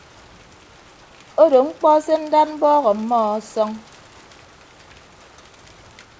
Odo mkpọ se ndad mbọọk ọmmọ ọsọñ.